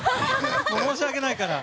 申し訳ないから！